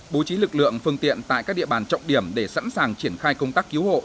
bố trí lực lượng phương tiện tại các địa bàn trọng điểm để sẵn sàng triển khai công tác cứu hộ